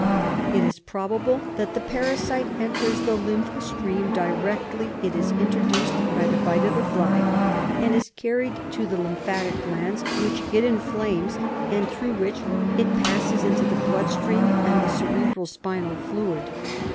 It is probable that the parasite enters the lymph stream directly it is introduced by the bite of the fly, and is carried to the lymphatic glands, which it inflames and through which it passes into the blood stream and cerebro spinal fluid.